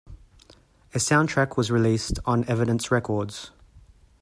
A soundtrack was released on Evidence Records.